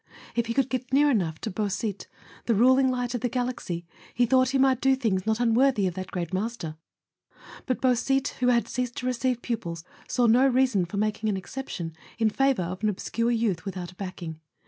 If he could get near enough to Beausite, the ruling light of the galaxy, he thought he might do things not unworthy of that great master; but Beausite, who had ceased to receive pupils, saw no reason for making an exception in favour of an obscure youth without a backing.